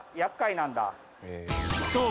そう